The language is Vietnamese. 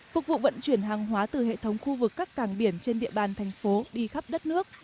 phục vụ vận chuyển hàng hóa từ hệ thống khu vực các càng biển trên địa bàn thành phố đi khắp đất nước